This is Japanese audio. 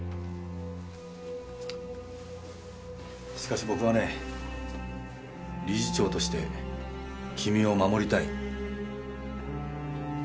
しかし僕はね理事長として君を守りたい。